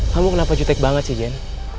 kamu kenapa jutek banget sih jane